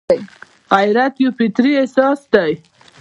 غیرت یو فطري احساس دی